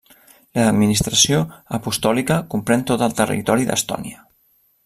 L'administració apostòlica comprèn tot el territori d'Estònia.